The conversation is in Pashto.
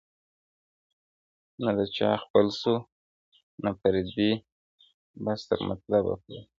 o نه دچا خپل سوو نه پردي بس تر مطلبه پوري,